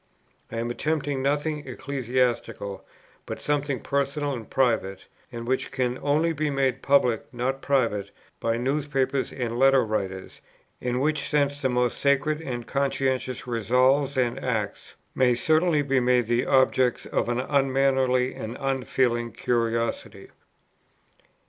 I am attempting nothing ecclesiastical, but something personal and private, and which can only be made public, not private, by newspapers and letter writers, in which sense the most sacred and conscientious resolves and acts may certainly be made the objects of an unmannerly and unfeeling curiosity."